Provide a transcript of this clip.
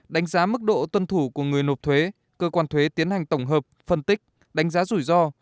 đánh giá mức độ tuân thủ của người nộp thuế cơ quan thuế tiến hành tổng hợp phân tích đánh giá rủi ro